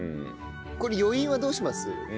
これ余韻はどうします？